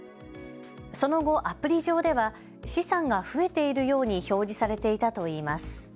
その後、アプリ上では資産が増えているように表示されていたといいます。